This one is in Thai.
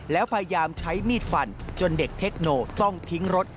แล้วพยายามใช้มีดฟันจนเด็กเทคโนต้องทิ้งรถ